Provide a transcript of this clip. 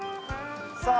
さあ。